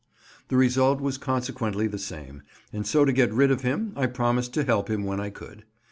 The result was consequently the same; and so to get rid of him I promised to help him when I could.